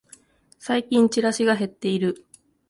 最近チラシが減ってる